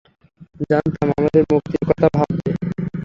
জানতাম, আমাদের মুক্তির কথা ভাববে।